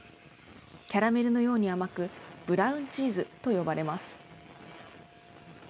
キャラメルのように甘く、ブラウンチーズと呼ばれます。